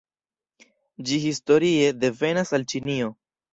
Ĝi historie devenas el Ĉinio.